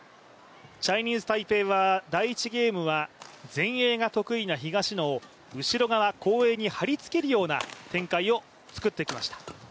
チャイニーズ・タイペイは第１ゲームは前衛が得意な東野を、後ろ側後衛にはり付けるような展開を作ってきました。